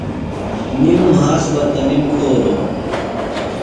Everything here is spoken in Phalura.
نِم مھاس بہ تنِم کھولوۡ۔